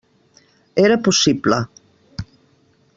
Era possible.